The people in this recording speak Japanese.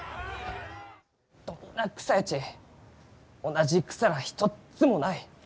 どんな草やち同じ草らあ、ひとっつもない！